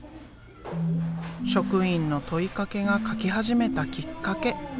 職員の問いかけが描き始めたきっかけ。